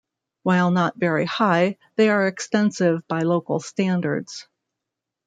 While not very high, they are extensive by local standards.